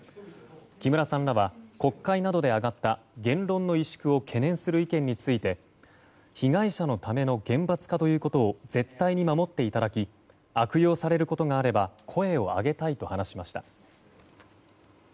木村さんらは国会などで挙がった言論の萎縮を懸念する意見について被害者のための厳罰化ということを絶対に守っていただき悪用されることがあれば声を上げたいと話しました。